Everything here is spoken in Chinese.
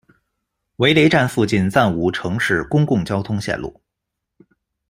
韦雷站附近暂无城市公共交通线路。